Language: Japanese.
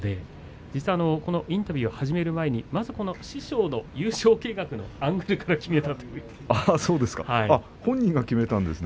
実はこのインタビューを始める前に師匠の優勝掲額のアングルから本人が決めたんですね。